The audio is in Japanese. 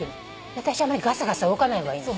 私はあんまりガサガサ動かない方がいい。